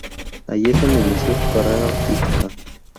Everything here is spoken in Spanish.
Allí es donde inició su carrera artística.